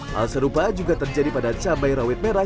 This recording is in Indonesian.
hal serupa juga terjadi pada cabai rawit merah